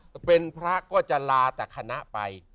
พระบอกเป็นพระก็จะลาจากคณะไป